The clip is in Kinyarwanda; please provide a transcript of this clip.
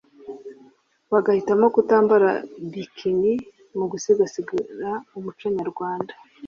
bagahitamo kutambara ’bikini’ mu gusigasira umuco nyarwanda